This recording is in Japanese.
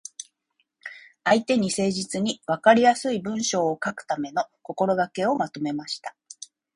相手に誠実に、わかりやすい文章を書くための心がけをまとめました。